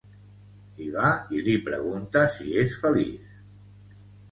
I va i li pregunta si és feliç